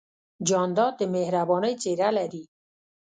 جانداد د مهربانۍ څېرہ لري.